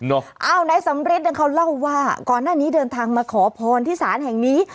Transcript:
อ้าวนายสำริทเขาเล่าว่าก่อนหน้านี้เดินทางมาขอพรที่ศาลแห่งนี้